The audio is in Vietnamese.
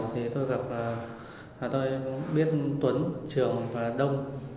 thì tôi gặp tôi biết tuấn trường và đông